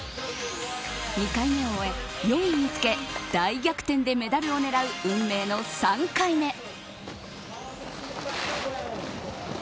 ２回目を終え、４位につけ大逆転でメダルを狙う運命の３回目。